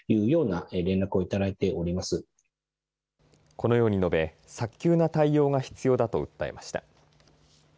このように述べ早急な対応が必要だと訴えました。